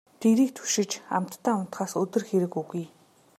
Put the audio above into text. Дэрийг түшиж амттай унтахаас өдөр хэрэг үгүй.